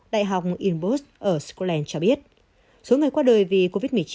đại học inbos ở scotland cho biết số người qua đời vì covid một mươi chín